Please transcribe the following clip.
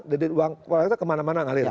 dan uang kemana mana mengalir